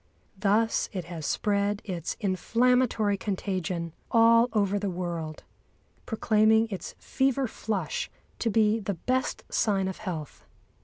Thus it has spread its inflammatory contagion all over the world, proclaiming its fever flush to be the best sign of health.